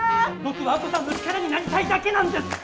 僕は亜子さんの力になりたいだけなんです！